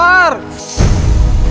ibu pak kohar sekarang